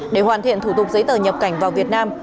để hoàn thiện thủ tục giấy tờ nhập cảnh vào việt nam